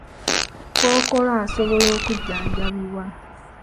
Kkookolo asobola okujjanjabibwa.